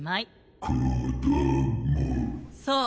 そう。